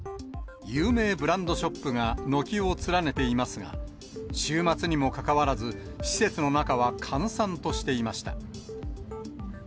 有名ブランドショップが軒を連ねていますが、週末にもかかわらず、施設の中は閑散としていました。